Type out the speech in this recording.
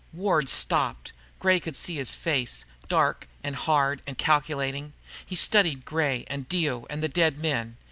Ward stopped. Gray could see his face, dark and hard and calculating. He studied Gray and Dio, and the dead men.